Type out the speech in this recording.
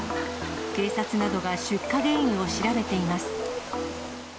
警察などが出火原因を調べています。